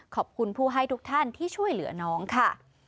ขอบคุณผู้ให้ทุกท่านที่ช่วยเหลือน้องค่ะ